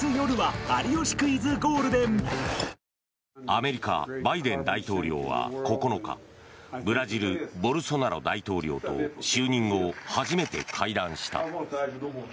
アメリカ、バイデン大統領は９日ブラジル、ボルソナロ大統領と就任後初めて会談した。